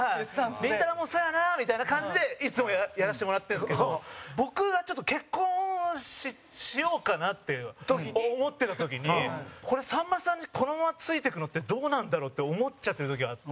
「りんたろー。も、そうやな！」みたいな感じでいつもやらせてもらってるんですけど僕が、ちょっと結婚をしようかなって思ってた時にこれ、さんまさんにこのままついてくのってどうなんだろうって思っちゃってる時があって。